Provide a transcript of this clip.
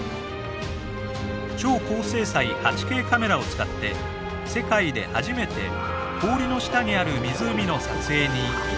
超高精細８Ｋカメラを使って世界で初めて氷の下にある湖の撮影に挑みました。